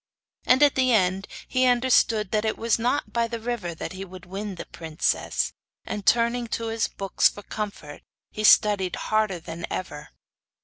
And at the end he understood that it was not by the river that he would win the princess; and, turning to his books for comfort, he studied harder than ever.